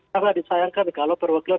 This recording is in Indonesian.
sangat disayangkan kalau perwakilan